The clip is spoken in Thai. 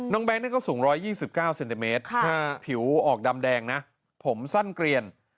แก๊งก็สูง๑๒๙เซนติเมตรผิวออกดำแดงนะผมสั้นเกลียน